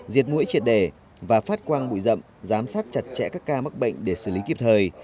diệt mũi triệt đẻ và phát quang bụi rậm giám sát chặt chẽ các ca mắc bệnh để xử lý kịp thời